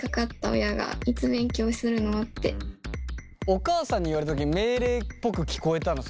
お母さんに言われた時命令っぽく聞こえたの？